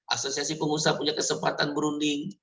asosiasi pengusaha punya kesempatan berunding